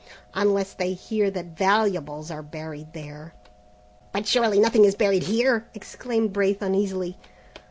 "Unless they hear that valuables are buried there." "But surely nothing is buried here?" exclaimed Braith uneasily.